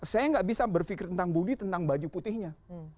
saya nggak bisa berpikir tentang budi tentang baju putihnya